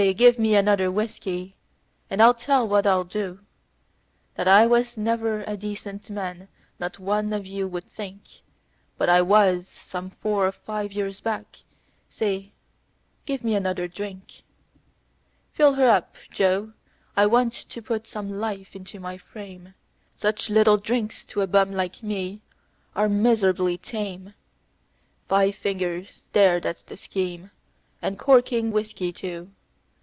Give me another whiskey, and I'll tell what I'll do That I was ever a decent man not one of you would think; But I was, some four or five years back. Say, give me another drink. "Fill her up, Joe, I want to put some life into my frame Such little drinks to a bum like me are miserably tame; Five fingers there, that's the scheme and corking whiskey, too.